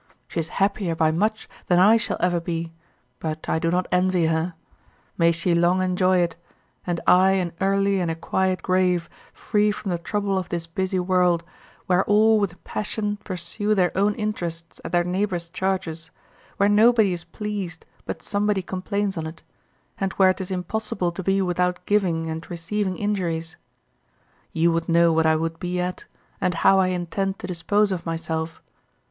She's happier by much than I shall ever be, but I do not envy her; may she long enjoy it, and I an early and a quiet grave, free from the trouble of this busy world, where all with passion pursue their own interests at their neighbour's charges; where nobody is pleased but somebody complains on't; and where 'tis impossible to be without giving and receiving injuries. You would know what I would be at, and how I intend to dispose of myself.